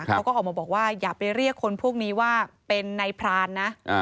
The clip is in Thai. เขาก็ออกมาบอกว่าอย่าไปเรียกคนพวกนี้ว่าเป็นนายพรานนะ